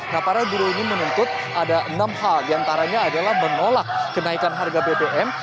nah para guru ini menuntut ada enam hal diantaranya adalah menolak kenaikan harga bbm